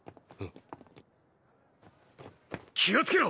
気をつけろ！